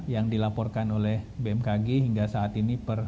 yang dilaporkan oleh bmkg hingga saat ini